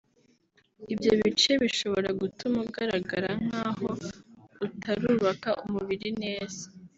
Ibyo bice bishobora gutuma ugaragara nk’aho utarubaka umubiri neza